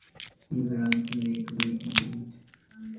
Immigrants make Britain great.